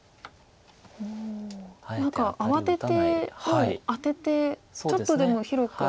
何か慌ててもうアテてちょっとでも広く。